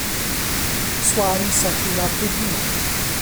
Swann s’inclina poliment.